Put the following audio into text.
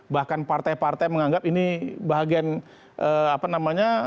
bahkan partai partai menganggap ini bahagian apa namanya